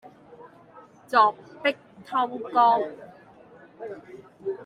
鑿壁偷光